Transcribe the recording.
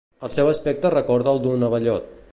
El seu aspecte recorda el d'un abellot.